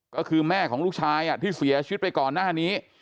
ก็คือแม่ของลูกชายที่เสียชีวิตไปก่อนหน้านี้